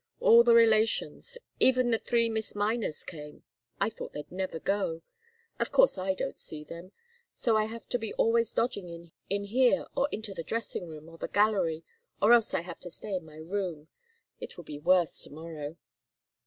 All the relations. Even the three Miss Miners came. I thought they'd never go. Of course I don't see them, so I have to be always dodging in here or into the drawing room, or the gallery, or else I have to stay in my room. It will be worse to morrow."